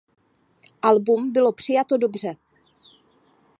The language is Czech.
Album bylo přijato dobře.